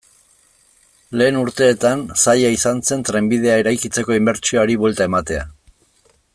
Lehen urteetan zaila izan zen trenbidea eraikitzeko inbertsioari buelta ematea.